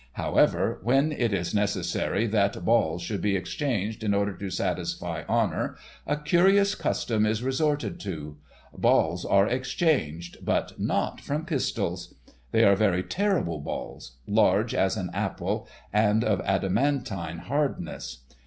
However, when it is necessary that balls should be exchanged in order to satisfy honour, a curious custom is resorted to. Balls are exchanged, but not from pistols. They are very terrible balls, large as an apple, and of adamantine hardness.